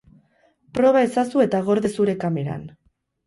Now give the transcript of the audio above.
Proba ezazu eta gorde zure kameran.